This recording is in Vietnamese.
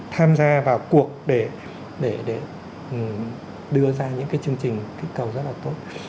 tham gia vào cuộc để đưa ra những cái chương trình kích cầu rất là tốt